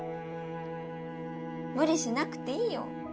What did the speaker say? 無理しなくていいよ。